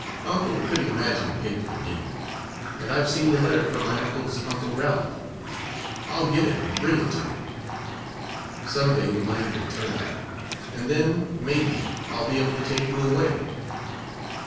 Uncle couldn't imagine paper and ink, and I've seen the letter from my uncle's uncle Ralph I'll get it and bring it to you. Some day the money will turn up, and then may be I'll be able to take you away.